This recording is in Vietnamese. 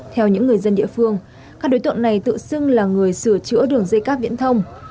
theo những người dân địa phương các đối tượng này tự xưng là người sửa chữa đường dây cáp viễn thông